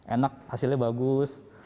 enak hasilnya bagus